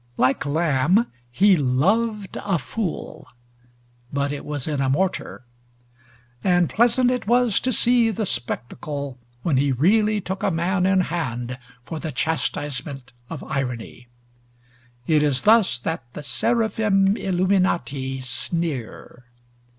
Like Lamb, he "loved a fool," but it was in a mortar; and pleasant it was to see the spectacle when he really took a man in hand for the chastisement of irony. It is thus that "the seraphim illuminati sneer."